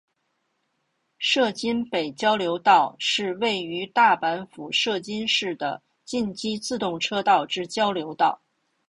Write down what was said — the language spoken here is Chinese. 摄津北交流道是位于大阪府摄津市的近畿自动车道之交流道。